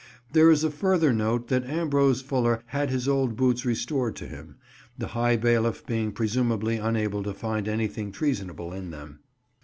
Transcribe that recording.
There is a further note that Ambrose Fuller had his old boots restored to him; the High Bailiff being presumably unable to find anything treasonable in them.